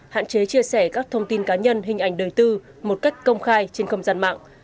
hạn chế chia sẻ các thông tin cá nhân hình ảnh đời tư một cách công khai trên không gian mạng